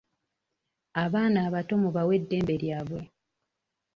Abaana abato mubawe eddembe lyabwe.